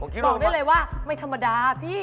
บอกได้เลยว่าไม่ธรรมดาพี่